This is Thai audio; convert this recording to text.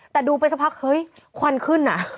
แต่ดูไปสักพักเฮ้ยควันขึ้นอ่ะ